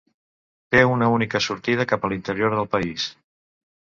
Té una única sortida cap a l'interior del país.